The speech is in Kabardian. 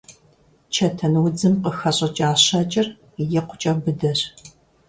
Чэтэнудзым къыхэщӀыкӀа щэкӀыр икъукӀэ быдэщ.